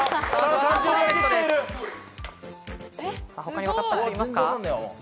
他にはわかった方いますか？